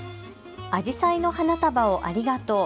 あじさいの花束をありがとう。